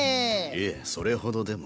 いえそれほどでも。